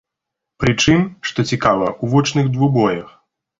Прычым, што цікава, у вочных двубоях.